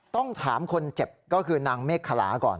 ต้องถามคนเจ็บก็คือนางเมฆขลาก่อน